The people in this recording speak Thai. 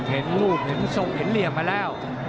เห็นรูปเห็นทรงเห็นเหลี่ยมมาแล้ว